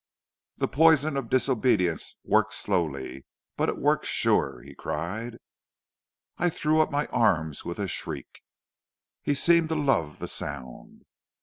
"'The poison of disobedience works slowly, but it works sure,' he cried. "I threw up my arms with a shriek. "He seemed to love the sound.